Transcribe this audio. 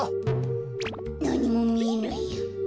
なにもみえないや。